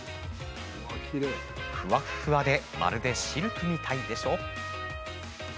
ふわっふわでまるでシルクみたいでしょ？